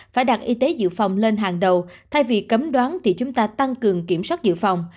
phải đặt y tế dự phòng lên hàng đầu thay vì cấm đoán thì chúng ta tăng cường kiểm soát dự phòng